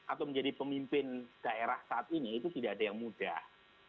atau menjadi pemimpin daerah saat ini itu tidak ada yang mudah